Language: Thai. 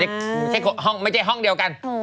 แต่ไม่ใช่ห้องเดียวกัน